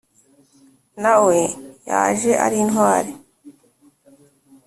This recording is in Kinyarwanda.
na we yaje ari intwari